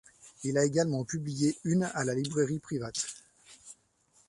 Il a également publié une à la librairie Privat.